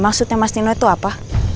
maksudnya mas dino itu apa